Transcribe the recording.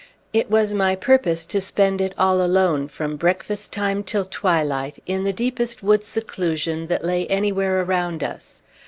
It was my purpose to spend it all alone, from breakfast time till twilight, in the deepest wood seclusion that lay anywhere around us.